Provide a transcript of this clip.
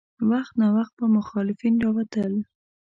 وخت ناوخت به مخالفین راوتل.